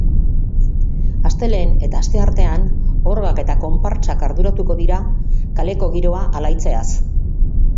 Astelehen eta asteartean orgak eta konpartsak arduratuko dira kalekogiroa alaitzeaz.